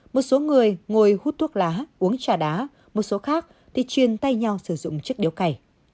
một số người ngồi hút thuốc lá uống trà đá một số khác thì chuyên tay nhau sử dụng chiếc điếu cày